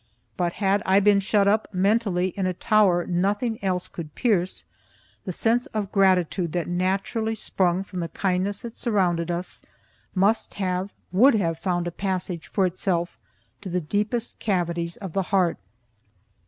But, had I been shut up, mentally, in a tower nothing else could pierce, the sense of gratitude that naturally sprung from the kindness that surrounded us, must have, would have found a passage for itself to the deepest cavities of the heart.